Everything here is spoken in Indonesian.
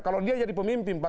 kalau dia jadi pemimpin pak